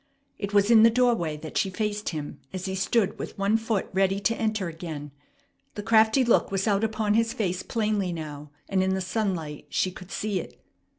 It was in the doorway that she faced him as he stood with one foot ready to enter again. The crafty look was out upon his face plainly now, and in the sunlight she could see it.